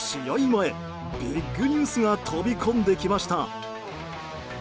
前、ビッグニュースが飛び込んできました。